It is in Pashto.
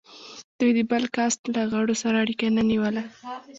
دوی د بل کاسټ له غړو سره اړیکه نه نیوله.